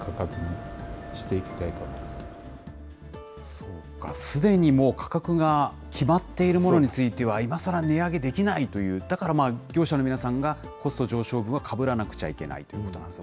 そうか、すでにもう価格が決まっているものについては、今さら値上げできないという、だから業者の皆さんがコスト上昇分はかぶらなくちゃいけないということなんですね。